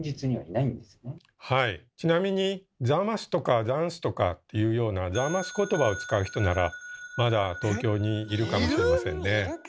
ちなみに「ザマス」とか「ザンス」とかっていうような「ザーマス言葉」を使う人ならまだ東京にいるかもしれませんね。